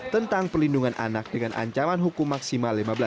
tentang pelindungan anak dengan ancaman hukum maksimal